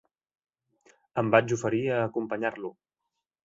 Em vaig oferir a acompanyar-lo.